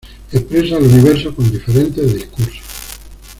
Expresa el universo con diferentes discursos.